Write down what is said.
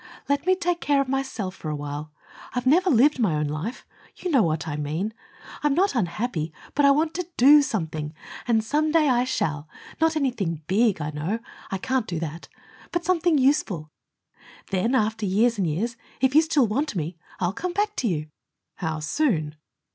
"Let me take care of myself for a while. I've never lived my own life. You know what I mean. I'm not unhappy; but I want to do something. And some day I shall, not anything big; I know. I can't do that, but something useful. Then, after years and years, if you still want me, I'll come back to you." "How soon?"